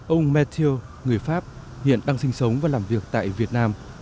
ông mathieo người pháp hiện đang sinh sống và làm việc tại việt nam